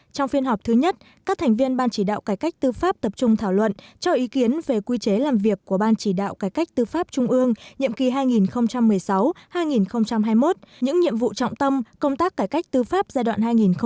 trong phiên họp thứ nhất các thành viên ban chỉ đạo cải cách tư pháp tập trung thảo luận cho ý kiến về quy chế làm việc của ban chỉ đạo cải cách tư pháp trung ương nhiệm kỳ hai nghìn một mươi sáu hai nghìn hai mươi một những nhiệm vụ trọng tâm công tác cải cách tư pháp giai đoạn hai nghìn một mươi sáu hai nghìn hai mươi